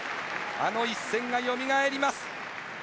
あの一戦がよみがえります。